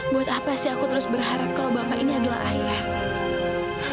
buat apa sih aku terus berharap kalau bapak ini adalah ayah